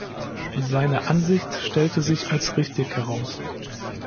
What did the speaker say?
Seine Ansicht stellte sich als richtig heraus.